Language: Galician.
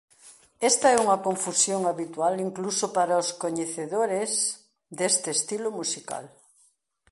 Esta é unha confusión habitual incluso para os coñecedores deste estilo musical.